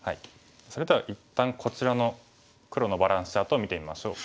それでは一旦こちらの黒のバランスチャートを見てみましょう。